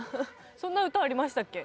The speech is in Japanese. そんな歌ありましたっけ。